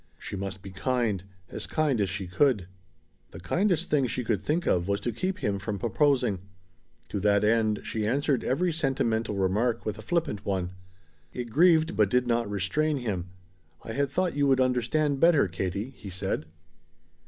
She must be kind as kind as she could. The kindest thing she could think of was to keep him from proposing. To that end she answered every sentimental remark with a flippant one. It grieved, but did not restrain him. "I had thought you would understand better, Katie," he said.